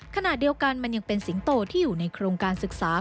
ขณะเดียวกันมันยังเป็นสิงโตที่อยู่ในโครงการศึกษา